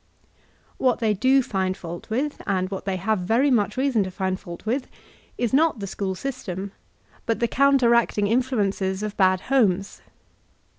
What they do find fault widi, and what they have very much reason to find fault with, is not the school system, but the counteracting influences of bad homes.